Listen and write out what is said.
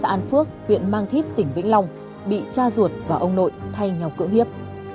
an phước huyện mang thít tỉnh vĩnh long bị cha ruột và ông nội thay nhau cỡ hiếp